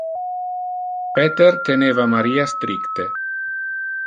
Peter teneva Maria stricte.